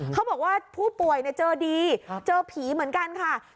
เขาบอกว่าผู้ป่วยเจอดีเจอผีเหมือนกันค่ะ